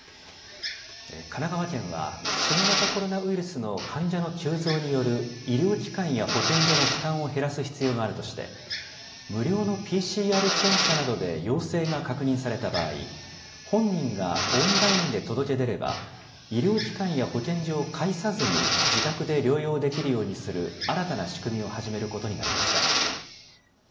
神奈川県は新型コロナウイルスの患者の急増による医療機関や保健所の負担を減らす必要があるとして、無料のＰＣＲ検査などで陽性が確認された場合、本人がオンラインで届け出れば、医療機関や保健所を介さずに、自宅で療養できるようにする新たな仕組みを始めることになりました。